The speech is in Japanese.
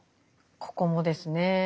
ここもですね